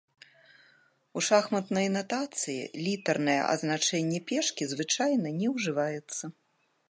У шахматнай натацыі літарнае азначэнне пешкі звычайна не ўжываецца.